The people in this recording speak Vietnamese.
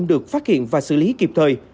được phát hiện và xử lý kịp thời